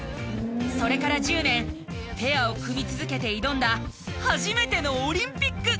それから１０年ペアを組み続けて挑んだ初めてのオリンピック。